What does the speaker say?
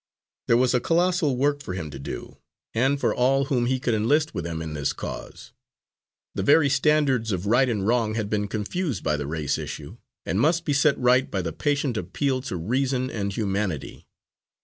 There was a colossal work for him to do, and for all whom he could enlist with him in this cause. The very standards of right and wrong had been confused by the race issue, and must be set right by the patient appeal to reason and humanity.